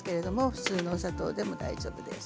普通のお砂糖でも大丈夫です。